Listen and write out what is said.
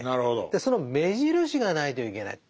でその目印がないといけない。